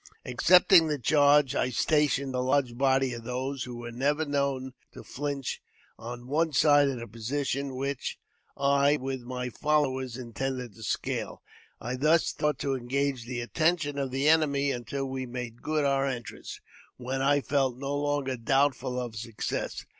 Accepting the charge, I stationed a large body of those who were never known to flinch on one side of the position, which I, with my followers, intended to scale. I thus thought to engage the attention of the enemy until we made good our entrance, when I felt no longer doubtful of success.